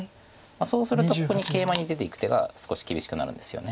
そうするとここにケイマに出ていく手が少し厳しくなるんですよね。